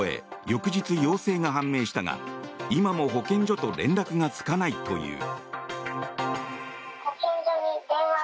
翌日陽性が判明したが今も保健所と連絡がつかないという。